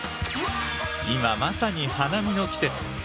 今まさに花見の季節。